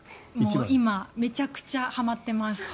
今めちゃくちゃはまってます。